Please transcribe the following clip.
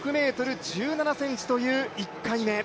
１６ｍ１７ｃｍという１回目。